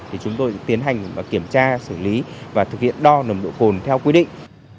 thì chúng tôi tiến hành kiểm tra xử lý và thực hiện đo nồng độ cồn theo quy định